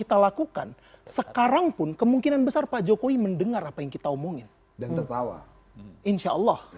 kita lakukan sekarang pun kemungkinan besar pak jokowi mendengar apa yang kita omongin dan tertawa insya allah